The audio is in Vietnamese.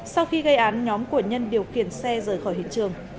sau khi gây án nhóm của nhân điều khiển xe rời khỏi hiện trường